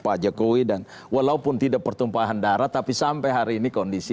pak jokowi dan walaupun tidak pertumpahan darah tapi sampai hari ini kondisi